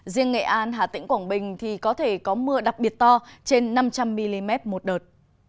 riêng nghệ an hà tĩnh quảng bình thì có thể có mưa đặc biệt to trên năm trăm linh mm một đợt